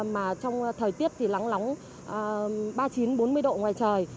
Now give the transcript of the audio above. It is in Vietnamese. mà trong thời tiết thì lắng lóng ba mươi chín bốn mươi độ ngoài trời